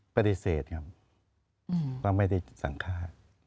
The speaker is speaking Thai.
ปฏิเสธครับว่าไม่ได้สังฆาต